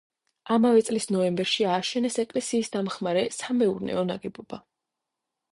ამავე წლის ნოემბერში ააშენეს ეკლესიის დამხამრე სამეურნეო ნაგებობა.